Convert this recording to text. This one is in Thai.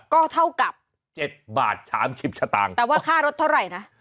ก็เท่ากับ๗บาท๓๐สตางค์แต่ว่าค่ารถเท่าไหร่นะ